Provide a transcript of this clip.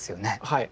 はい。